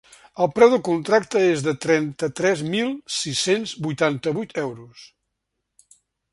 El preu del contracte és de trenta-tres mil sis-cents vuitanta-vuit euros.